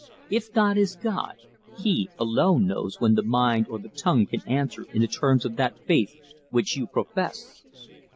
If God is God, He alone knows when the mind or the tongue can answer in the terms of that faith which you profess.